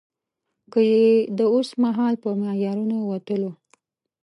که يې د اوسمهال په معیارونو وتلو.